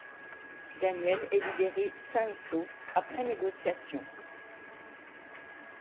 Daniel est libéré sain-et-sauf après négociations.